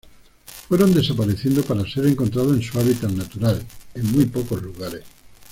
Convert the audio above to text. Fueron desapareciendo para ser encontrados en su hábitat natural en muy pocos lugares.